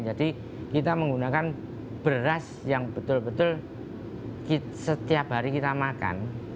jadi kita menggunakan beras yang betul betul setiap hari kita makan